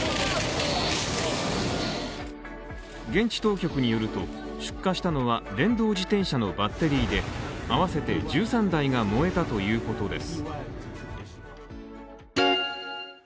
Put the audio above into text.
現地当局によると、出火したのは、電動自転車のバッテリーで合わせて１３台が燃えたということです。